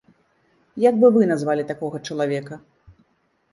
Як бы вы назвалі такога чалавека?